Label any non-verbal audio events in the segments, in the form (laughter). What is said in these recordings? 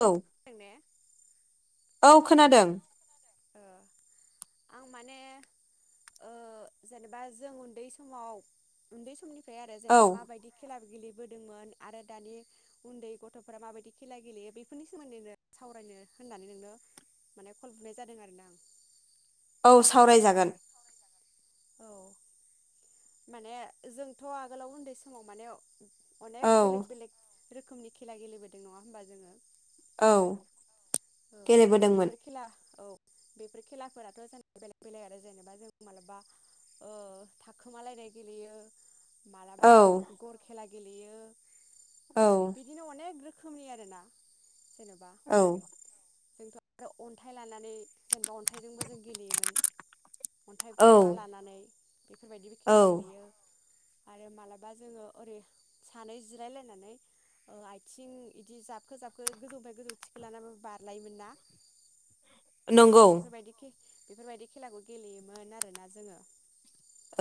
औ ने औ खोनादों ओ आं माने ओ जेनेबा जों उन्दै समाव उन्दै समनि फ्राय आरो औ जेनबा माबायदि खेला गेलेबोदोंमोन आरो दानि उन्दै गथ'फोरा माबायदि खेला गेलेयो बेफोरनि सोमोन्दै नो सावरायनो होननानै नोंनो माने खल बुनाय जा दों आरोना आं। औ सावरायजागोन। औ माने जोंथ' आगोलाव उन्दै समाव माने अनेक औ बेलेग बेलेग रोखोमनि खेला गेलेबोदों नङा होमबा जोङो औ औ गेलेबोदोंमोन बेफोर खेला औ बेफोर खेलाफोराथ' जेनबा बेलेग बेलेग आरो जेनेबा जों मालाबा ओ थाखोमालायनाय गेलेयो मालाबा औ गर खेला गेलेयो बिदिनो अनेक रोखो खोमनि आरोना जेनबा औ जोंथ' आरो अन्थाइ लानानै जेनेबा अन्थाइजोंबो जों गेलेयोमोन। अन्थाइ गरबा लानानै बेफोरबायदिबो औ खेला गेलेयो। आरो मालाबा जोङो ओरै सानै जिरायलायनानै ओ आथिं बिदि जाबखो जाबखो गोजौनि गोजौ थिखि लानानै बार लाइयोमोना। नंगौ बेफोरबायदि खेलाखौ गेलेयोमोन आरोना जोङो।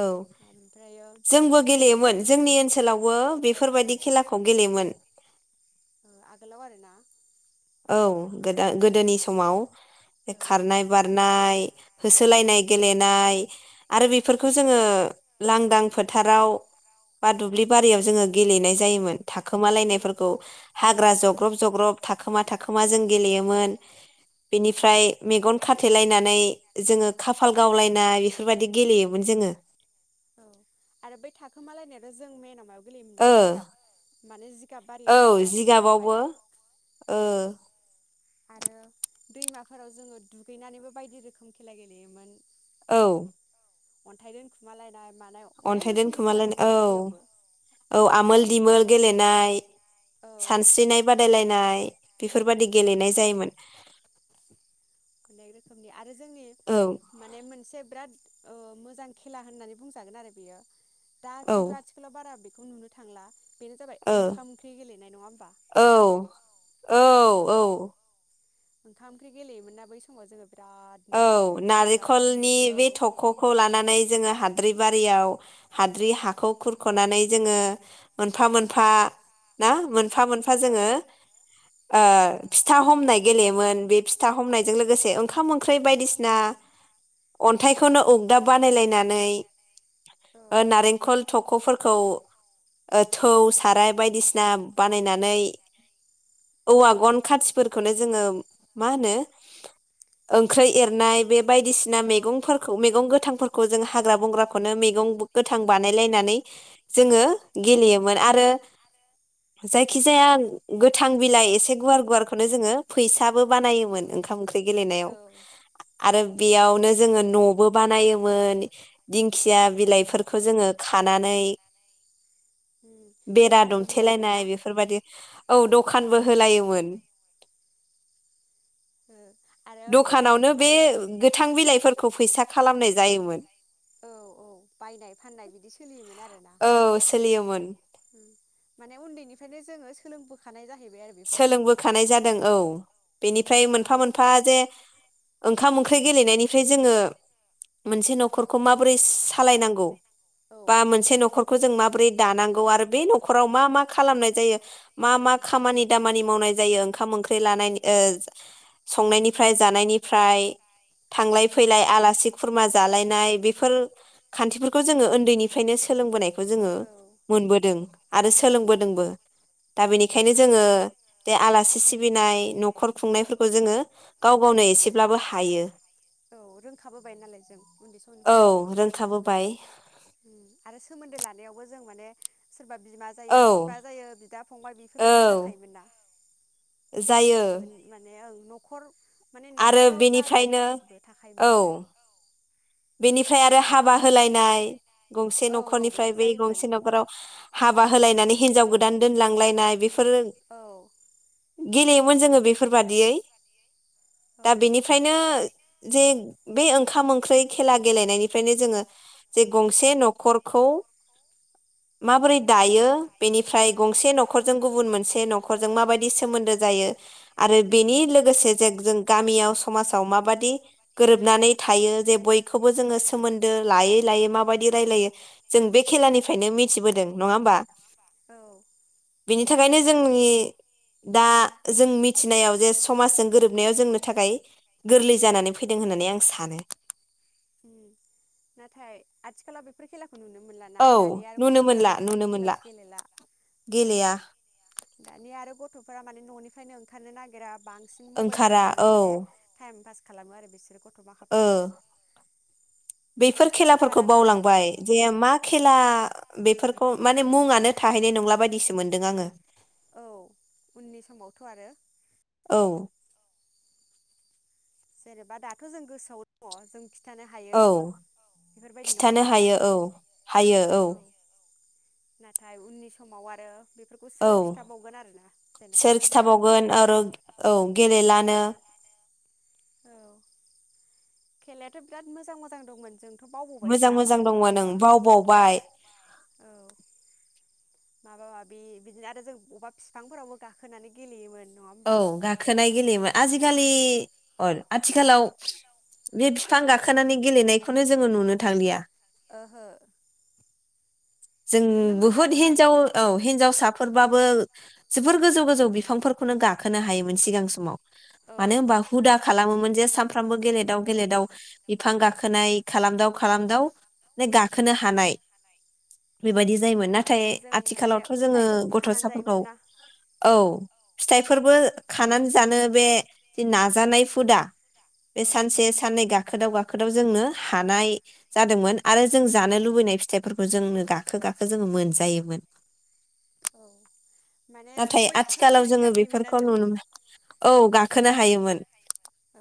औ ओमफ्रायो जोंबो मोनसे गेलेयोमोन जोंनि ओनसोलावबो ओ बेफोरबायदि खेलाखौ गेलेयोमोन आगगोलाव आरोना औ गो उम गोदोनि समाव औ खारनाय बारनाय औ होसोलायनाय गेलेनाय आरो औ बेफोरखौ जोङो लांदां फोथाराव बा दुब्लि बारियाव जोङो गेलेनाय जायोमोन उम थाखोमालायनायफोरखौ हाग्रा औ जग्रब जग्रब थाब - थाखोमा जों गेलेयोमोन बेनिफ्राय मेगन खाथेलायनानै जोङो खाफाल गावलायनाय बेफोरबायदि गेलेयोमोन जोङो औ आरो बै थाखोमालायनायाथ जों मेन मायाव गेलेयोमबा ओ जिगाब माने जिगाब औ बारियाव आरोना सिङावहाय जिगाबावबो ओ औ आरो दैमाफोराव जोङो दुगैनानैबो बायदि रोखोम खेला गेलेयोमोन औ अन्थाइ दोनखुमालाय अन्थाइ दोनखोमालाय औ दैयावबो औ आमोल दिमोल गेलेनाय औ सानस्रिनाय बादायलायनाय बेफोरबादि औ गेलेनाय जायोमोन (inaudible) आरो जोंनि औ माने मोनसे बिराद ओ मोजां खेला होननानै बुंजागोन आरो बियो दा औ खिन्थु ओ आथिखालाव बारा बे खौ नुनो थांला बेनो जाबाय ओंखाम ओंख्रि गेलेनाय नङा होमबा औ औ औ औ ओंखाम ओंख्रै गेलेयोमोनना बै समाव जोंङो औ नारेंखलनि औ बे थख'खौ लानानै जोंङो हा हाद्रि बारियाव हाद्रि हाखौ खुरखनानै जोंङो मोनफा मोनफा ना मोनो फा मोनफा औ जोंङो ओ फिथा हमनाय गेलेयोमोन बे फिथा हमनायजों लोगोसे ओंखाम ओं ख्रै बायदिसिना अन्थाइखौनो उगदाब बानायलायनानै औ ओ नारेंखल थख'फोरखौ ओ थौ साराय बायदिसिना बानायनानै औवा गन खाथिफोरखौनो जोंङो मा होनो ओंख्रै एरनाय बे बायदिसिना औ मैगंफोरखौ मैगं गोथांफोर खौ जों हाग्रा बंग्राखौनो मैगं गोथां बानायलायनानै जोंङो गेलेयोमोन आरो जायखि जाया गोथां बिलाइ एसे गुवार गुवारखौनो जोंङो फैसाबो बानायोमोन ओंखाम ओंख्रि गेलेनायाव औ आरो बेयावनो जोंङो न'बो बानायोमोन दिंखिया बिलाइफोरखौ जोङो खानानै उम बेरा दखानबो होलायोमोन दुमथेलायनाय ना बेफोरबादि औ दखानबो होलायोमोन। (inaudible) दखानावनो बे माने गोथां बिलाइफोर खौ फैसा खालामनाय जायोमोन। औ औ बायनाय फाननाय बिदि सोलियोमोन आरोना। औ सोलियोमोन माने उन्दैनि बेनिखायनो जोङो सोलोंबोखानाय जाहै सोलोंबोखानाय जादों औ औ बेनिफ्राय मोनफा मोनफा रोंखाबोजोबनाय जे ओंखाम ओंख्रै गेलेनायनिफ्राय जोङो मोनसे न'खरखौ माबोरै सालायनांगौ औ ओं बा मोनसे न'खरखौ जों माबोरै दानांगौ आरो बे न'खराव मा मा खालामनाय जायो। मा मा खामानि खामानि मावनाय जायो। ओंखाम ओंख्रि लानायनि ओ संनायनिफ्राय जानायनिफ्राय थांलाइ फैलाय आलासि खुरमा जालायनाय बेफोर खान्थिफोरखौ जोङो ओन्दैनिफ्रायनो सोलोंबोनाय जोङो औ मोनबोदों। आरो सोलोंबोदोंबो। दा बेनिखायनो माने जोङो दे आलासि उम सिबिनाय न' न'खर खुंनायफोरखौ जोङो गाव गावनो एसेब्लाबो हायो। औ रोंखाबोबाय नालाय जों उन्दै औ समनिफ्रायनो रोंखाबोबाय औ। आरो सोमोन्दो लानायावबो जों माने सोरबा बिमा जायो औ बिफा जायो बिदा फंबाय औ बेफोरबायदि जाखायोमोन ना जायो मोन-माने ओं। न'खर माने आरो न'खराव जा दं बेनिफ्रायनो गासिबो औ थाखायोमोन आरो। बेनिफ्राय आरो हाबा होलायनाय गंसे औ औ न'खरनिफ्राय बेबो बै जायोमोन गंसे न'खराव हाब हाबा होलायनानै हिनजाव गोदान दोनलांलायनाय बेफोर औ गेलेयोमोन जोङो बेफोरबादियै। दा बेनिफ्रायनो जे बे ओंखाम ओंख्रै खेला गेलेनायनिफ्रायनो जोङो जे गंसे न'खरखौ माबोरै दायो बेनिफ्राय औ गंसे न'खरजों गुबुन मोनसे बे न'खरजों माबायदि सोमोन्दो जायो आरो बेनि लोगोसे जों जों गामियाव समाजाव माबादि गोरोबनानै थायो जे बय बयखौबो जोंओ सोमोनदो लायै लायै माबादी राइलाइडो़ जों से खेलानिफ्राइनो मिथिबोदों नङा ओमबा औ बेनि थाखाइनो जोंनि दा जों मिथिनायाव जे समाजजों गोरोबनायखौ। जोबनायाव जोंनो थाखाय गोरलै जानानै फैदों होननानै आं सानो। उम नाथाय आथिखालाव बेफोर खेलाखौ खौ नुनो मोनलााना औ दानिया आरो नुनो गथ'फोरा मोनला नुनो बेफोरबायदि मोनला खेलाखौ गेलेला औ गेलेया दानिया आरो गथ' गथ'फोरा माने न'निफ्रायनो ओंखारनो नागिरा। बांसिन ओंखारा मबाइलफोरजोंनो औ माने टाइम पास। खालामो आरो बिसोर बे गथ' माखाफ्रा औ। ओ बेफोर खेलाफोरखौ बावलांबाय जे मा औ खेला बेफोरखौ माने मुङानो थाहैनाय नंला बायदिसो मोनदों आङो। औ उननि समावथ' आरो औ जेनेबा दाथ' जों गोसोआव दङ जों खिथानो हायो औ बेफोरबायदि नङा खिथानो होमबा हायो औ हायो औ। नाथाय उननि समाव आरो बे औ सोर खिथाबावगोन आरो औ गेलेला- नो। औ खेलायाथ' बिराद मोजां मोजां दंमोन जों मोजां मोजां दंमोन ओं बावबावबाय। औ माबा माबि बिदिनो आरो जों बबा फिफांफोरावबो गाखोनानै गेलेयोमोन। नङा औ होमबा गाखोनाय गेलेयोमोन आजिखालि। अ आथिखालाव बे फिफां ओ गाखोनानै गेलेनायखौनो जोङो नुनो थांलिया। ओहो जों नुनोनो मोना बुहुत आरोना हिनजाव बिदि औ हिनजावसाफोर- बाबो जोबोर गोजौ गोजौ बिफांफोरखौनो गाखोनो हायोमोन सिगां समाव। औ मानो होनबा हुदा खालामोन जे सान फ्रामबो गेलेदाव औ गेलेदाव बिफां गा खोनाय खालामदाव खालामदाव नो गाखोनो हानाय औ बेबायदि जायोमोन नाथाय जों माने आथिखालावथ' जोङो फिथाइफोरखौ खानानै गथ'साफोरखौ जायोमोन ना औ। फिथाइफोरबो खानानै जानो बे जि नाजानाय हुदा। बे औ सानसे साननै गा खोदाव गाखोदाव जोंनो हानाय जादोंमोन आरो जों जानो लुबैनाय फिथाइफोरखौ जोंनो गाखो गाखो जोङो मोनजायोमोन। औ माने नाथाय गय बिफांफोर आथिखालाव मानि जोङो गाखोयोमोन ना बेफोरखौ जों नुनो मोनला। औ गाखोनो हायोमोन।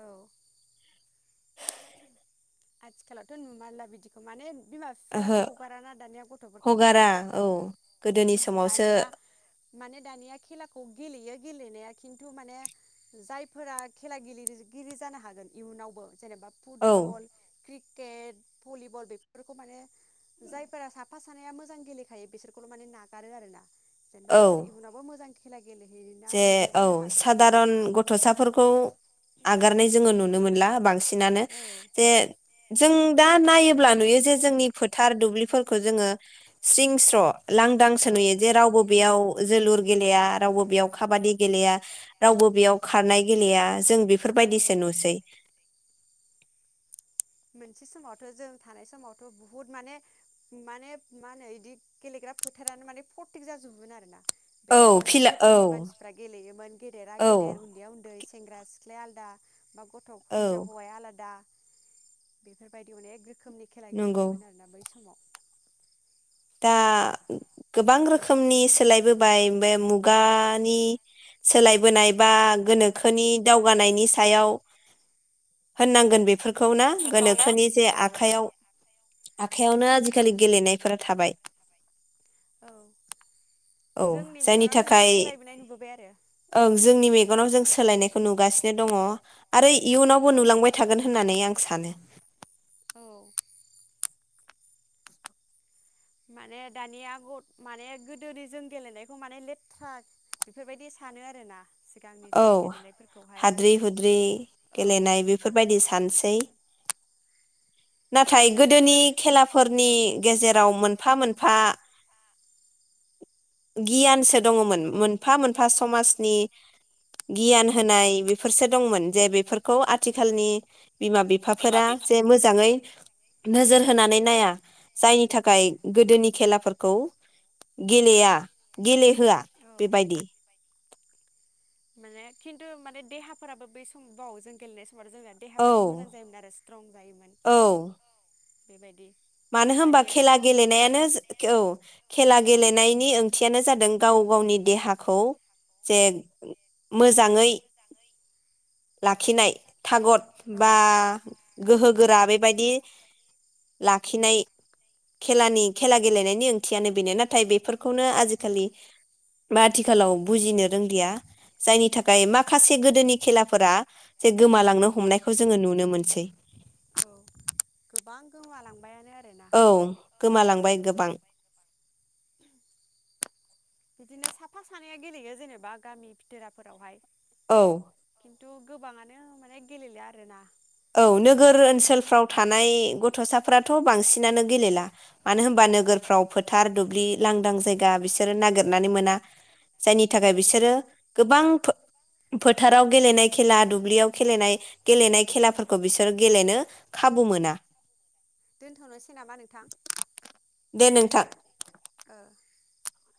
औ आथिखालावथ' नुमारला बिदिखौ माने बिमा ओहो फिफायाबो हगाराना दानिया गथ'फोरखौहाय हगारा औ गोदोनि समावसो दानिया माने दानिया खेलाखौ गेलेयो गेलेनाया खिन्थु माने जायफोरा खेला गेलेगिरि जानो हागोन इयुनावबो जेनेबा औ फुटबल क्रिकेट, भलिबल बेफोरखौ माने जायफोरा साफा सानैया मोजां गेलेखायो बिसोरखौल' माने नागारो आरोना। जेनबा बिसोर औ इउनावबो मोजां खेला गेलेहैना जे हैग्रा औ जानो हागोन सादारन बेबायदियाव गथ'साफोरखौ आगारनाय जोङो नुनो मोनला बांसि नानो औ जे जों दा नायोब्ला नुयो जे जोंनि फोथार दुब्लिफोरखौ जोङो सिं स्र' लांदांसो नुयो जे रावबो बेयाव जोलुर गेलेया रावबो बेयाव खाबादि गेलेया रावबो बेयाव खारनाय गेलेया जों औ बेफोरबायदिसो नुसै। मोनसे समावथ' जों थानाय समावथ' बुहुत माने माने मा होनो इदि गेलेग्रा फोथारानो माने फरटिक जाजोबोमोन आरोना। औ बेहाय फिला अनेक औ रोखोमनि मानसिफ्रा गेलेयोमोन गेदेरा औ गेदेर उन्दैयाव उन्दै सेंग्रा सिख्लाया आलदा बा गथ' औ हिनजाव हौवाया आलादा बेफोरबायदि अनेक रोखोमनि खेला नंगौ गेलेयोमोन ना बै स माव। दा गोबां रोखोमनि सोलायबोबाय बे मुगानि सोलायबोनाय बा गोनोखोनि दावगानायनि सायाव होननांगोन बेफोर खौ ना गोनोखोनि जे औ आखाइयाव आखायावनो आजिखालि गेलेनायफोरा थाबाय। औ। औ जोंनि जायनि मेगनावनो जों थाखाय सोलायबोनाय नुबोबाय आरो ओं जोंनि मे गनाव जों सोलायनायखौ नुगासिनो दङ आरो इयुनावबो नुलांबाय थागोन होननानै आं सानो। औ। माने दानिया ग माने गोदोनि जों गेलेनायखौ माने लेथ्रा बेफोरबायदि सानो आरोना। सिगांनि औ जों गेलेनायफोरखौहाय हाद्रि हुद्रि औ गेलेनाय बेफोरबायदि सानसै। नाथाय खिन्थु गोदोनि बेफोर खेलाफोरनि औ गेजेराव मोनफा मोन फा गियानसो दङमोन मोनफा मोनफा समाजनि गियान होनाय बेफोरसो दंमोन जे बेफोरखौ आथिखालनि बिमा बिफाफोरा जे मोजाङै नोजोर होनानै नाया जायनि थाखाय गोदोनि खेलाफोरखौ गेलेया गेले होआ औ बेबायदि। माने खिन्थु माने देहाफोराबो बै सम बाव जों गेलेनाय सम मावथ' जोंनिया औ देहाफ्राबो मोजां जायोमोन आरो स्ट्रं जायोमोन। औ बेबायदि मानो होमबा खेला दानियाथ' दुरबल गेलेनायानो जो औ खेला गेलेनायनि ओंथियानो जादों गाव गावनि देहाखौ जे मोजाङै लाखिनाय। थागद औ बा गोहो गोरा बेबायदि बेबायदि लाखिनाय खेलानि खेला गेलेनायनि ओंथियानो बेनो नाथाय बेफोरखौनो आजि खालि बा आथिखालाव बुजिनो रोंलिया जायनि थाखाय माखासे गोदोनि खेला फोरा जे गोमालांनो उम हमनायखौ जोङो नुनो मोनसै। गोमालांबाय औ गोमालांबाय गोबां बिदिनो साफा सानैआ गेलेयो जेनेबा गामि भिथोराफोरावहाय। औ। खिन्थु गोबाङानो माने गेलेलिआ आरोना। औ नोगोर ओनसोलफ्राव थानाय गथ'साफोराथ' बांसिनानो गेलेला मानो होनबा नोगोरफ्राव फोथार दुब्लि लांदां जायगा बिसोरो नागिरनानै मोना जायनि औ थाखाय बिसोरो गोबां फोथाराव गेलेनाय खेला दुब्लियाव खेलेनाय गेलेनाय खेलाफोरखौ बिसोर गेलेनो खाबु मोना। दोनथ'नोसै नामा नोंथां? दे नोंथां। (inaudible)